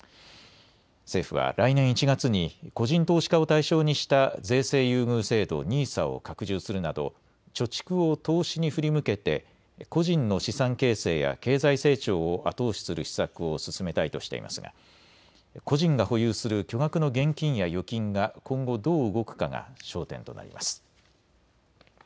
政府は来年１月に個人投資家を対象にした税制優遇制度ＮＩＳＡを拡充するなど貯蓄を投資に振り向けて個人の資産形成や経済成長を後押しする施策を進めたいとしていますが個人が保有する巨額の現金や預金が今後、どう動くかが焦点となります。